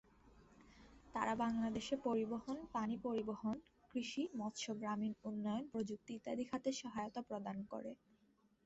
তারা বাংলাদেশে পরিবহন, পানি পরিবহন, কৃষি, মৎস্য, গ্রামীণ উন্নয়ন, প্রযুক্তি ইত্যাদি খাতে সহায়তা প্রদান করে।